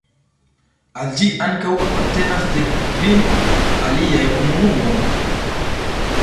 Al ĝi ankaŭ apartenas dek-kvin aliaj komunumoj.